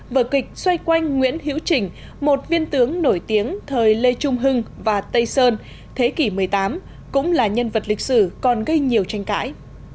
vở kịch xoay quanh nguyễn hiễu trình một viên tướng nổi tiếng thời lê trung hưng và tây sơn thế kỷ một mươi tám cũng là nhân vật lịch sử còn gây nhiều tranh cãi